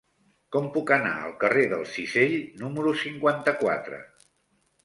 Com puc anar al carrer del Cisell número cinquanta-quatre?